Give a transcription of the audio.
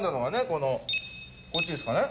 このこっちですかね。